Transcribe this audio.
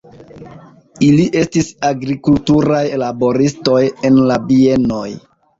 Ili estis agrikulturaj laboristoj en la bienoj.